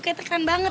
kayak terkenal banget